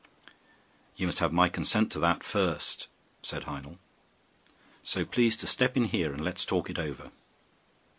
'You must have my consent to that first,' said Heinel, 'so please to step in here, and let us talk it over.